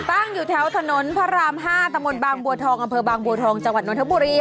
ตั้งอยู่แถวถนนพระราม๕ตะมนต์บางบัวทองอำเภอบางบัวทองจังหวัดนทบุรี